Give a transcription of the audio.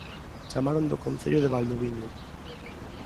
Chamaron do Concello de Valdoviño